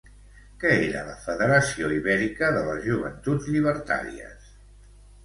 Què era la Federació Ibèrica de les Joventuts Llibertàries?